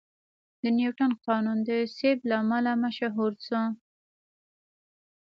د نیوتن قانون د سیب له امله مشهور شو.